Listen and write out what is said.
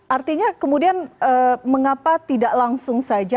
artinya kemudian mengapa tidak langsung saja